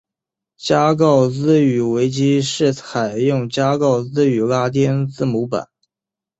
加告兹语维基是采用加告兹语拉丁字母版。